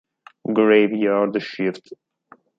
Graveyard Shift